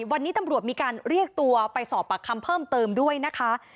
วันนี้ตำรวจมีการเรียกตัวไปสอบปากคำเพิ่มเติมด้วยนะคะ